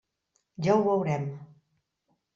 Ja ho veurem!